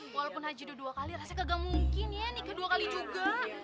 walaupun haji dua kali rasanya kegak mungkin ya nikah dua kali juga